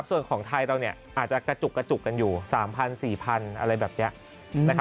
ส่วนของไทยเราเนี่ยอาจจะกระจุกกันอยู่๓๐๐๐๔๐๐๐อะไรแบบนี้